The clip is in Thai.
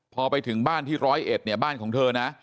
พอไปถึงบ้านที่ร้อยเอ็ดเนี่ยบ้านของเธอนะ